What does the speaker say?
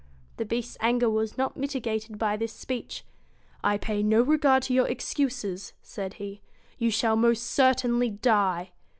The Beast's anger was not mitigated by this speech. 1 1 pay no regard to your excuses,' said he. ' You shall most certainly die.'